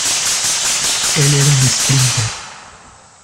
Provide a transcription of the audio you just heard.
Él era un esprínter.